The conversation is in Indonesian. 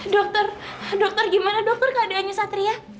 dokter dokter gimana dokter keadaannya satria